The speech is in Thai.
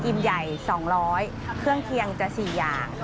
ใหญ่๒๐๐เครื่องเคียงจะ๔อย่าง